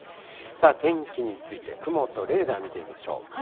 天気について雲とレーダー見てみましょう。